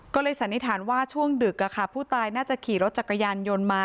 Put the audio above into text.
ก็เลยสันนิษฐานว่าช่วงดึกผู้ตายน่าจะขี่รถจักรยานยนต์มา